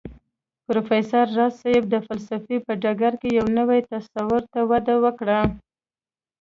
پروفېسر راز صيب د فلسفې په ډګر کې يو نوي تصور ته وده ورکړه